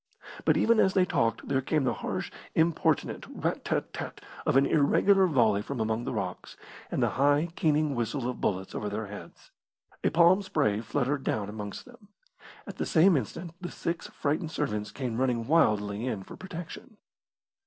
But even as they talked there came the harsh, importunate rat tat tat of an irregular volley from among the rocks, and the high, keening whistle of bullets over their heads. A palm spray fluttered down amongst them. At the same instant the six frightened servants came running wildly in for protection.